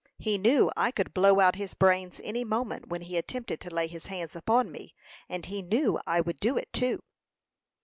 He knew I could blow out his brains any moment when he attempted to lay his hands upon me; and he knew I would do it, too."